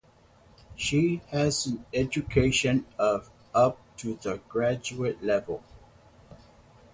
She has an education of up to the graduate level.